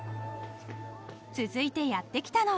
［続いてやって来たのは］